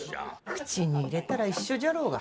口に入れたら一緒じゃろうが。